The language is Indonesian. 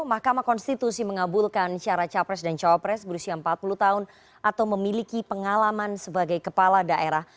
mahkamah konstitusi mengabulkan syarat capres dan cawapres berusia empat puluh tahun atau memiliki pengalaman sebagai kepala daerah